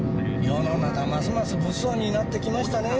世の中ますます物騒になってきましたねぇ。